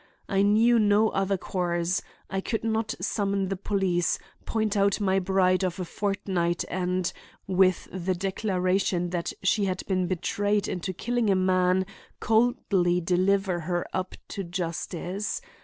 I knew no other course. I could not summon the police, point out my bride of a fortnight and, with the declaration that she had been betrayed into killing a man, coldly deliver her up to justice.